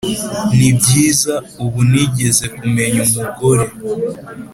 nibyiza ubu nigeze kumenya umugore